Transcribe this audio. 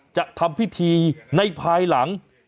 จะทำพิธีในภายหลัง